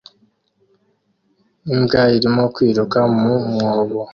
Imbwa irimo kwiruka mu mwobo